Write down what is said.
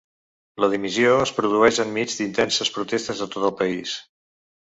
La dimissió es produeix enmig d’intenses protestes a tot el país.